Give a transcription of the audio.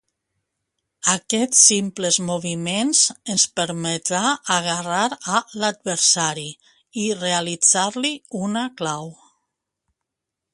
Aquests simples moviments ens permetrà agarrar a l'adversari i realitzar-li una clau.